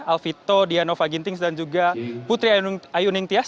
alfito dianova gintings dan juga putri ayuning tias